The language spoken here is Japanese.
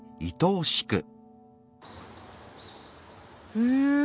うん。